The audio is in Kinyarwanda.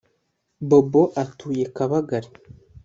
bobo atuye kabagari